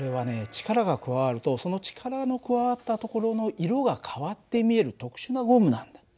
力が加わるとその力の加わったところの色が変わって見える特殊なゴムなんだ。